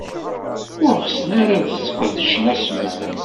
Ur ɣsen ara ad sqedcen asmad.